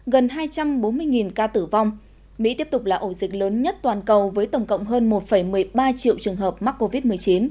gần hai trăm bốn mươi ca tử vong mỹ tiếp tục là ổ dịch lớn nhất toàn cầu với tổng cộng hơn một một mươi ba triệu trường hợp mắc covid một mươi chín